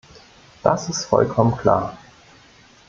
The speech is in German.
Das ist vollkommen klar.